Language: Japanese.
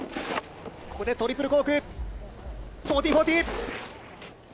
ここでトリプルコーク１４４０。